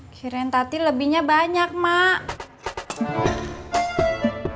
kiren tadi lebihnya banyak mak